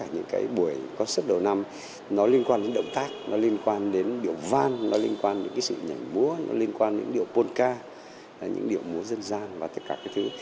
nó liên quan đến điệu vang nó liên quan đến sự nhảy múa nó liên quan đến điệu polka những điệu múa dân gian và tất cả các thứ